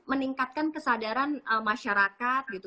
meningkatkan kesadaran masyarakat gitu